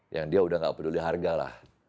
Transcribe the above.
yang dia udah nggak peduli harga lah